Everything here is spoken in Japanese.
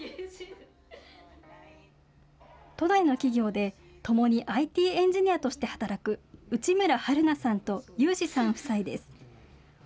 都内の企業でともにＩＴエンジニアとして働く内村華奈さんと祐之さん夫妻です。